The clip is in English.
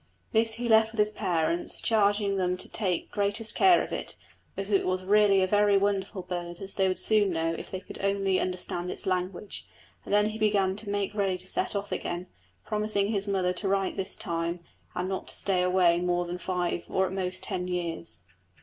This he left with his parents, charging them to take the greatest care of it, as it was really a very wonderful bird, as they would soon know if they could only understand its language, and he then began to make ready to set off again, promising his mother to write this time and not to stay away more than five or at most ten years.